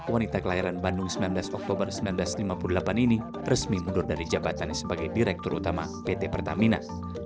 wanita kelahiran bandung sembilan belas oktober seribu sembilan ratus lima puluh delapan ini resmi mundur dari jabatannya sebagai direktur utama pt pertamina